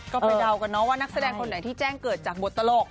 ก็ไปเดากันเนาะว่านักแสดงคนไหนที่แจ้งเกิดจากบทตลก